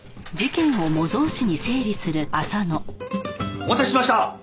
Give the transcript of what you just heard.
お待たせしました！